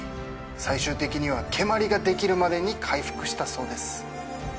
最終的には蹴まりができるまでに回復したそうです。